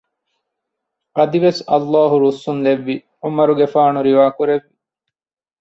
އަދިވެސް ﷲ ރުއްސުން ލެއްވި ޢުމަރުގެފާނު ރިވާ ކުރެއްވި